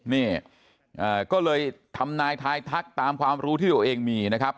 นี่ก็เลยทำนายทายทักตามความรู้ที่ตัวเองมีนะครับ